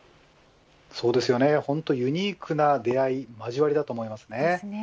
そうですよね、本当にユニークな出会い交わりだと思います。